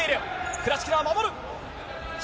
クラチキナ、守る。